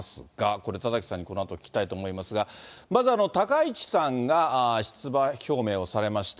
これ、田崎さんにこのあと聞きたいと思いますが、まず高市さんが、出馬表明をされました。